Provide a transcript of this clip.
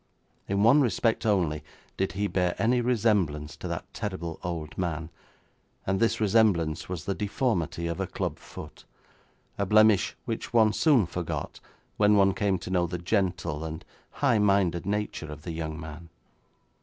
In one respect only did he bear any resemblance to that terrible old man, and this resemblance was the deformity of a club foot, a blemish which one soon forgot when one came to know the gentle and high minded nature of the young man.